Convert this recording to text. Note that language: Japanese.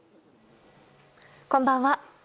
こんばんは。